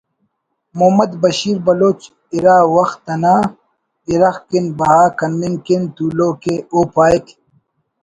محمد بشیر بلوچ اِرا وخت انا اِرغ کن بہا کننگ کن تولوک ءِ او پائک